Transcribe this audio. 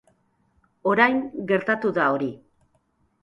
Orain gertatu da hori.